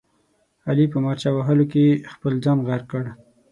علي په مارچه وهلو کې خپل ځان غرق کړ.